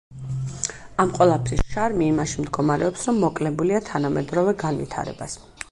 ამ ყველაფრის შარმი იმაში მდგომარეობს, რომ მოკლებულია თანამედროვე განვითარებას.